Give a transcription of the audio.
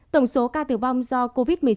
tổng số ca tử vong do covid một mươi chín